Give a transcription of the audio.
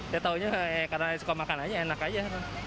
saya taunya karena suka makanannya enak aja